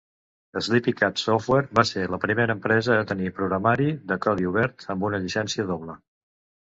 Sleepycat Software va ser la primera empresa a tenir programari de codi obert amb una llicència doble.